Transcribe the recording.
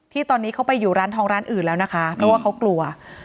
ที่ตอนนี้เขาไปอยู่ร้านทองร้านอื่นแล้วนะคะเพราะว่าเขากลัว